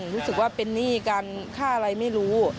รู้สึกว่าเป็นหนี้กันค่าอะไรไม่รู้